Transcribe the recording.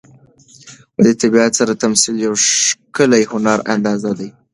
د طبیعت سره تمثیل یو ښکلی هنري انداز دی.